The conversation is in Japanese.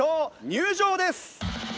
入場です！